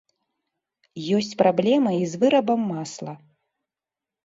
Ёсць праблема і з вырабам масла.